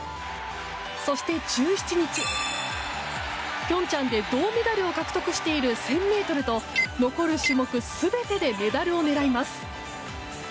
そして、１７日平昌で銅メダルを獲得している１０００ｍと残る種目全てでメダルを狙います。